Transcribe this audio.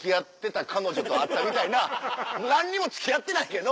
みたいな何にも付き合ってないけど。